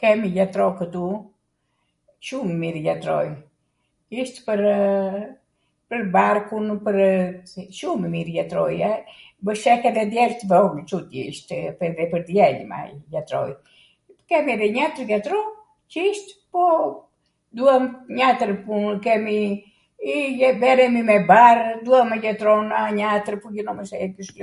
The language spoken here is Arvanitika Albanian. kemi jatro kwtu, shumw mir jatroi, ish pwrw..., pwr barkun, pwrw..., shumw mir jatroi, e, mw sheh edhe djeltw tuti, ishtw edhe pwr djelm ai, jatroi, kem edhe njatwr jatro qw isht po duam njatwr pun, kemi ... i je beremi me barrw duamw jatronw njatwr [???]